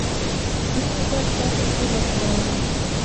Имне-влак ятыр ӱлык воленыт.